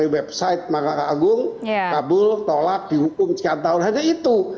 website ma kabul tolak dihukum cikat tahun hanya itu